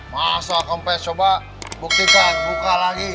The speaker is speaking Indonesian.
masa kompes coba buktikan buka lagi